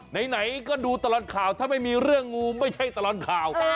ไหนก็ดูตลอดข่าวถ้าไม่มีเรื่องงูไม่ใช่ตลอดข่าว